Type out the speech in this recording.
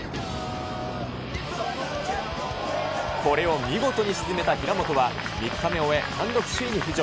これを見事に沈めた平本は、３日目を終え単独首位に浮上。